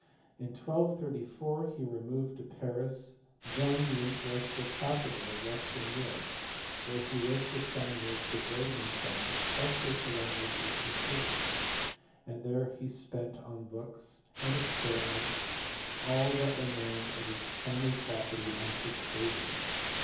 In 1234 he removed to Paris, then the intellectual capital of western Europe, where he lived for some years devoting himself espe cially to languages and physics ; and there he spent on books and experiments all that remained of his family property and his savings.